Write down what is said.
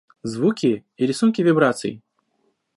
Звуки и рисунки вибраций